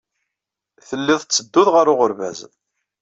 Tellid tetteddud ɣer uɣerbaz.